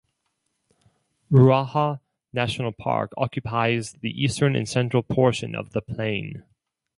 Ruaha National Park occupies the eastern and central portion of the plain.